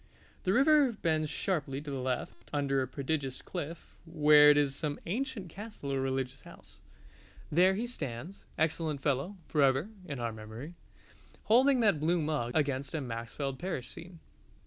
The river bends sharply to the left under a prodigious cliff, where is some ancient castle or religious house. There he stands, excellent fellow, forever (in our memory) holding that blue mug against a Maxfield Parrish scene.